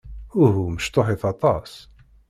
Uhu. Mecṭuḥit aṭas.